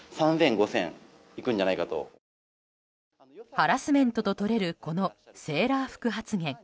ハラスメントととれるこのセーラー服発言。